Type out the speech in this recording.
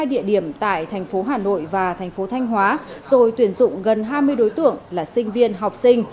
hai địa điểm tại thành phố hà nội và thành phố thanh hóa rồi tuyển dụng gần hai mươi đối tượng là sinh viên học sinh